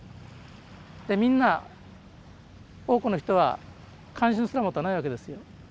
でみんな多くの人は関心すら持たないわけですよ。